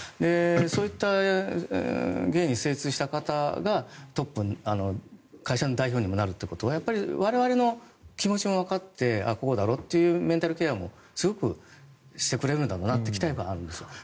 そういった芸に精通した方がトップ、会社の代表にもなるということはやはり我々の気持ちもわかってこうだろうっていうメンタルケアもすごくしてくれるんだろうなという期待感があるんです。